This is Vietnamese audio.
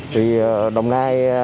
thì đồng nai